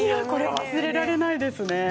これは忘れられないですね